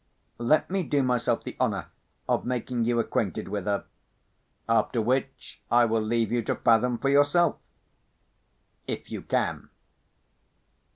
Let me do myself the honour of making you acquainted with her; after which, I will leave you to fathom for yourself—if you can.